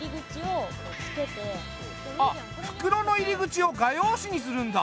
あっ袋の入り口を画用紙にするんだ。